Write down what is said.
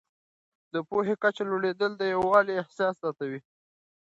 د پوهې کچه لوړېدل د یووالي احساس زیاتوي.